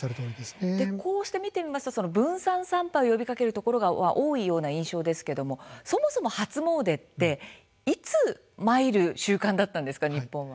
こうして見てみますと分散参拝を呼びかけるところが多いような印象ですけれどもそもそも初詣っていつ参る習慣だったんですか日本は。